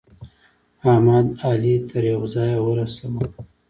احمد؛ علي تر يوه ځايه ورساوو.